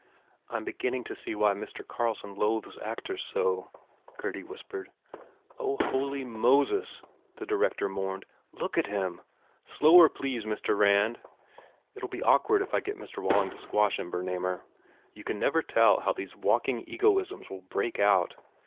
"I m beginning to see why Mr. Carlson loathes actors so," Gurdy whispered. u Oh, Holy Moses," the director mourned, "look at him! Slower, please, Mr. Rand! It ll be awkward if I get Mr. Walling to squash him, Bernamer. You never can tell how these walking egoisms will break out.